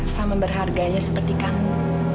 sama berharganya seperti kamu